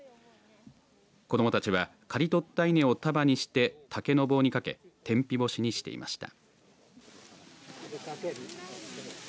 子どもたちは刈り取った稲を束にして竹の棒にかけ天日干しにしていました。